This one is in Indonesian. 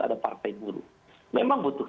ada partai buruh memang butuh